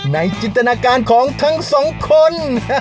จินตนาการของทั้งสองคน